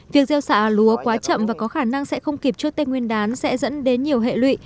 việc gieo xạ lúa quá chậm và có khả năng sẽ không kịp cho tây nguyên đán sẽ dẫn đến nhiều hệ lụy